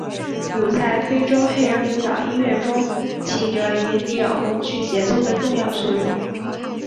鼓在非洲黑人舞蹈音乐中起着引领舞曲节奏的重要作用。